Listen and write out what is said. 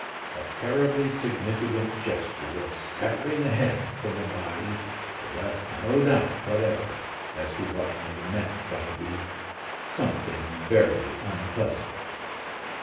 A terribly significant gesture of severing the head from the body left no doubt whatever as to what May meant by the "something very unpleasant."